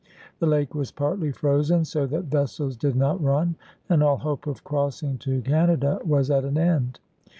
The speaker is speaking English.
The. lake was partly frozen, so that vessels did not run, and all hope of crossing to Canada was at an end.